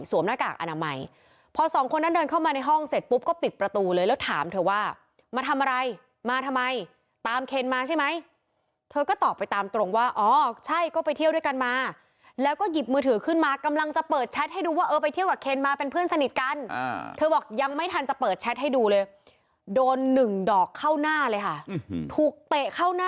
หน้ากากอนามัยพอสองคนนั้นเดินเข้ามาในห้องเสร็จปุ๊บก็ปิดประตูเลยแล้วถามเธอว่ามาทำอะไรมาทำไมตามเคนมาใช่ไหมเธอก็ตอบไปตามตรงว่าอ๋อใช่ก็ไปเที่ยวด้วยกันมาแล้วก็หยิบมือถือขึ้นมากำลังจะเปิดแชทให้ดูว่าเออไปเที่ยวกับเคนมาเป็นเพื่อนสนิทกันเธอบอกยังไม่ทันจะเปิดแชทให้ดูเลยโดนหนึ่งดอกเข้าหน้าเลยค่ะถูกเตะเข้าหน้า